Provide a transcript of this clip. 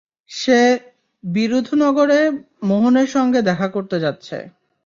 সে বিরুধুনগরে মোহনের সাথে দেখা করতে যাচ্ছে।